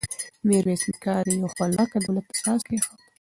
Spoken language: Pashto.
میرویس نیکه د یوه خپلواک دولت اساس کېښود.